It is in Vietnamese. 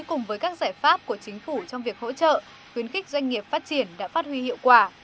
cùng với các giải pháp của chính phủ trong việc hỗ trợ khuyến khích doanh nghiệp phát triển đã phát huy hiệu quả